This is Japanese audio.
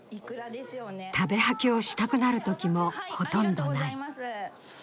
食べ吐きをしたくなるときもほとんどない。